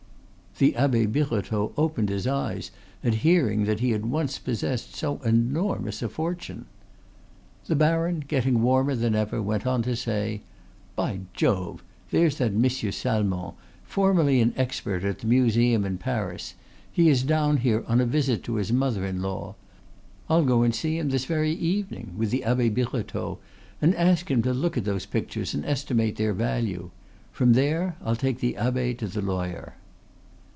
The Abbe Birotteau opened his eyes at hearing he had once possessed so enormous a fortune. The baron, getting warmer than ever, went on to say: "By Jove! there's that Monsieur Salmon, formerly an expert at the Museum in Paris; he is down here on a visit to his mother in law. I'll go and see him this very evening with the Abbe Birotteau and ask him to look at those pictures and estimate their value. From there I'll take the abbe to the lawyer."